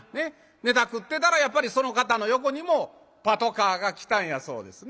ネタ繰ってたらやっぱりその方の横にもパトカーが来たんやそうですね。